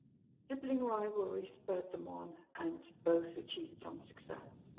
Sibling rivalry spurred them on, and both achieved some success.